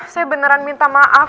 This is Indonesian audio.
saya beneran minta maaf